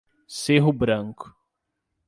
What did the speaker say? Cerro Branco